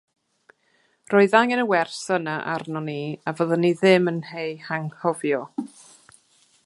Roedd angen y wers yna arnon ni, a fyddwn ni ddim yn ei hanghofio.